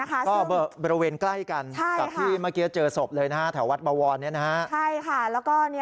ก็บริเวณใกล้กันที่เจอศพเลยนะแถววัดบวรรณ์